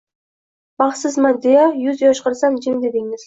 Baxsizman deya kuz yosh qilsam “jim” dedingiz